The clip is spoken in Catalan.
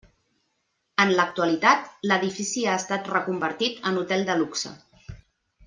En l'actualitat, l'edifici ha estat reconvertit en hotel de luxe.